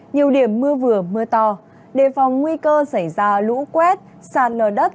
nhiều điểm mưa vừa mưa to đề phòng nguy cơ xảy ra lũ quét sạt nở đất